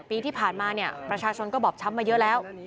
ปีที่ผ่านมาเนี่ยประชาชนก็บอบช้ำมาเยอะแล้ว